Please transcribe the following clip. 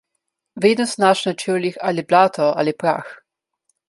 Vedno so našli na čevljih ali blato ali prah.